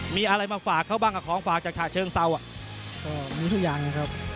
มีอะไรมาฝากเขาบ้างกับของฝากจากชาวเชิงเศร้า